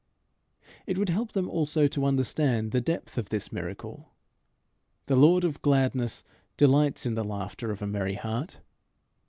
It would help them also to understand the depth of this miracle. The Lord of gladness delights in the laughter of a merry heart.